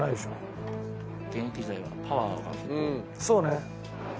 そうね。